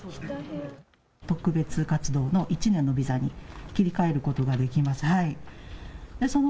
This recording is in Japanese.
特別活動の１年のビザに切り替えることができます。